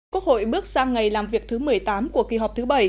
quốc hội bước sang ngày làm việc thứ một mươi tám của kỳ họp thứ bảy